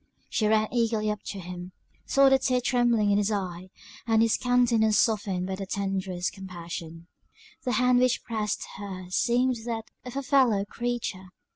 She ran eagerly up to him saw the tear trembling in his eye, and his countenance softened by the tenderest compassion; the hand which pressed hers seemed that of a fellow creature.